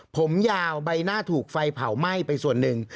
ผมยาวใบหน้าถูกไฟเผาไหม้ไปส่วนหนึ่ง